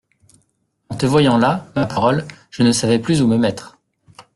En te voyant là, ma parole, je ne savais plus où me mettre…